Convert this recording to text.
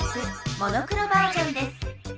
モノクロバージョンです。